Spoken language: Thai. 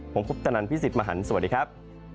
ผมพุทธนันทร์พี่สิทธิ์มหันทร์สวัสดีครับ